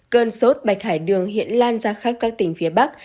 cơn sốt bạch hải đường hiện lan ra khắp các tỉnh phía bắc